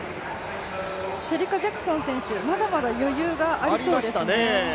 シェリカ・ジャクソン選手、まだまだ余裕がありそうでしたね。